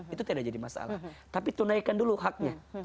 itu tidak jadi masalah tapi tunaikan dulu haknya